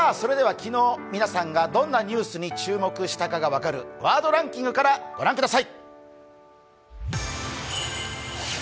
昨日皆さんがどんなニュースに注目しか分かる「ワードランキング」から御覧ください。